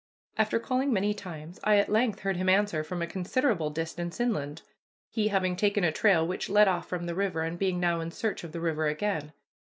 After calling many times I at length heard him answer from a considerable distance inland, he having taken a trail which led off from the river, and being now in search of the river again.